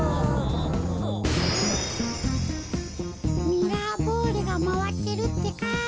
ミラーボールがまわってるってか。